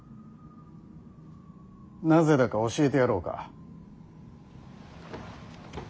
なぜだか教えてやろうか。